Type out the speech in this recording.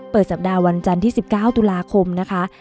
เปิดสัปดาห์วันจันทร์ที่๑๙ตุลาคมนะคะ